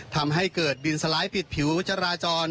ทำให้เกิดบินสลายปิดผิววัจราจร